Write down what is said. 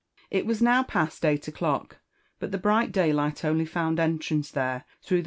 It was now past eight o'clock, but the bright daylight only found entrance there through the.